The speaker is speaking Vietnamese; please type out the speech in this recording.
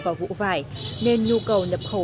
vào vụ vải nên nhu cầu nhập khẩu